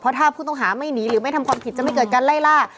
ถ้าผู้ต้องหาไม่หนีหรือไม่ทำความผิดจะไม่เกิดการไล่ล่า